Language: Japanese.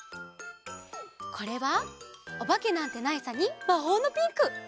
これは「おばけなんてないさ」に「魔法のピンク」。